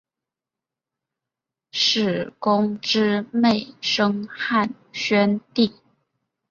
史恭之妹生汉宣帝。